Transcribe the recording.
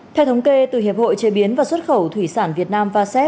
theo thống kê từ hiệp hội chế biến và xuất khẩu thủy sản việt nam vasep